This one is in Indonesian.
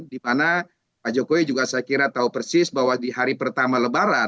dimana pak jokowi juga saya kira tahu persis bahwa di hari pertama lebaran